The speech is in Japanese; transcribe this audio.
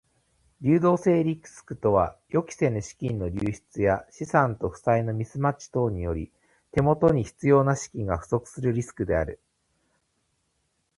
流動性リスクとは予期せぬ資金の流出や資産と負債のミスマッチ等により手元に必要な資金が不足するリスクである。